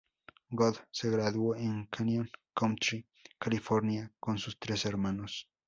Good se graduó en Canyon Country, California, con sus tres hermanos.